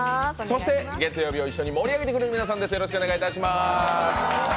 そして月曜日を一緒に盛り上げてくれるゲストの皆さんです。